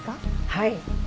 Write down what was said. はい。